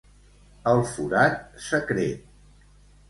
El forat secret.